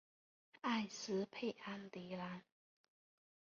埃斯佩安迪兰。